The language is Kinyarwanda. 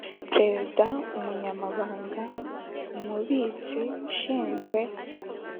Perezida umunyamabanga umubitsi ushinzwe